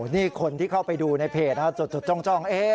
นี่คนที่เข้าไปดูในเพจจดจ้อง